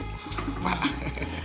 terima kasih pak